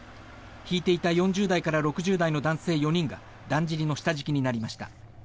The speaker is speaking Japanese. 引いていた４０代から６０代の男性４人がだんじりの下敷きになりました。